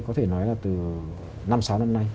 có thể nói là từ năm sáu năm nay